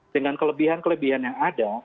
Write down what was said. dengan kelebihan kelebihan yang ada